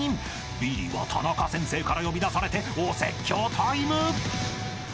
［ビリはタナカ先生から呼び出されてお説教タイム］